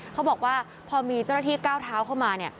เขาบอกว่าพอมีเจ้าหน้าที่ก้าวเท้าเข้ามาเนี่ย